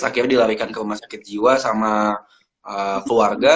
akhirnya dilarikan ke rumah sakit jiwa sama keluarga